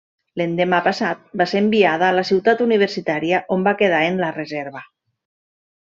L'endemà passat va ser enviada a la Ciutat Universitària, on va quedar en la reserva.